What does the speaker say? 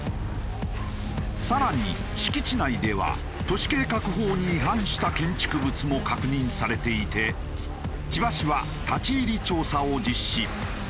更に敷地内では都市計画法に違反した建築物も確認されていて千葉市は立ち入り調査を実施。